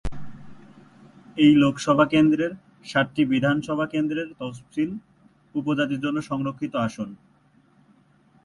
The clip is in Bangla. এই লোকসভা কেন্দ্রের সাতটি বিধানসভা কেন্দ্র তফসিলী উপজাতিদের জন্য সংরক্ষিত আসন।